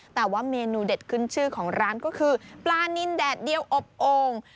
แต่ว่าเมนูเด็ดขึ้นชื่อของร้านก็คือปลานินแดดเดียวอบโอ่ง